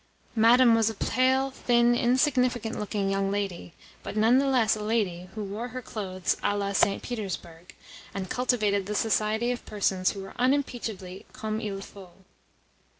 Madame was a pale, thin, insignificant looking young lady, but none the less a lady who wore her clothes a la St. Petersburg, and cultivated the society of persons who were unimpeachably comme il faut.